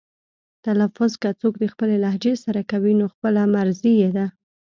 تلفظ که څوک د خپلې لهجې سره کوي نو خپله مرزي یې ده.